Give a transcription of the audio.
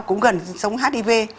cũng gần giống hiv